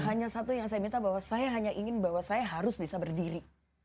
hanya satu yang saya minta bahwa saya hanya ingin bahwa saya harus bisa berdiri